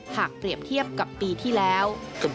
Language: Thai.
หากเปรียบเทียบกับปีที่แล้ว